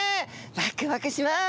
わくわくします！